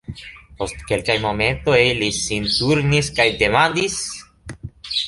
Post kelkaj momentoj li sin turnis kaj demandis: